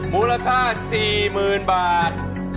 มูลภาษา๔หมื่นบาท